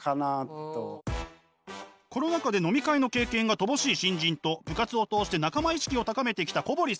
コロナ禍で飲み会の経験が乏しい新人と部活を通して仲間意識を高めてきた小堀さん。